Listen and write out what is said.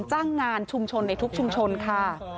จ้างงานชุมชนในทุกชุมชนค่ะ